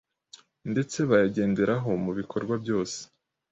ndetse bayagenderaho mu bikorwa byose